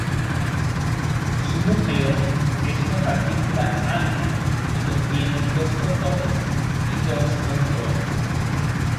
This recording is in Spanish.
Su núcleo es una partícula alfa, que contiene dos protones y dos neutrones.